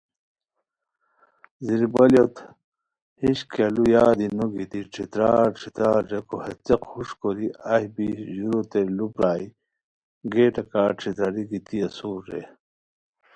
زیربالیو ہِش کیہ لُو یادی نو گیتی ݯھترار ݯھترار ریکو ہے څیق ہوݰ کوری ایہہ بی ہو ژوروتین لُو پرائے، گیٹہ کا ݯھتراری گیتی اسور رے